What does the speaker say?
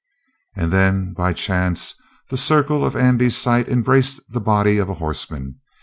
And then, by chance, the circle of Andy's sight embraced the body of a horseman.